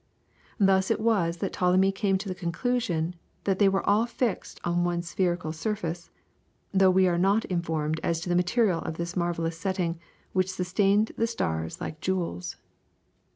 Thus it was that Ptolemy came to the conclusion that they were all fixed on one spherical surface, though we are not informed as to the material of this marvellous setting which sustained the stars like jewels.